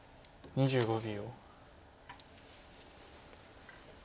２５秒。